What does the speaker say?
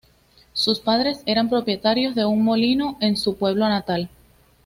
Sus padres eran propietarios de un molino en su pueblo natal.